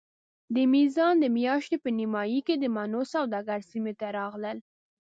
د میزان د میاشتې په نیمایي کې د مڼو سوداګر سیمې ته راغلل.